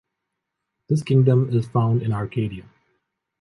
This kingdom is found in Arcadia.